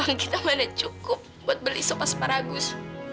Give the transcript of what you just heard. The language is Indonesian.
uang kita mana cukup buat beli sup asparagus